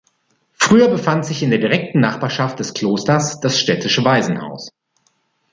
Früher befand sich in der direkten Nachbarschaft des Klosters das Städtische Waisenhaus.